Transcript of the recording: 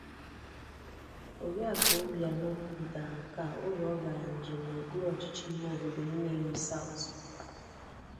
Oriakụ Obianọ kwupụtara nke a oge ọ gara njem n'okpuruọchịchị ime obodo 'Nnewi South'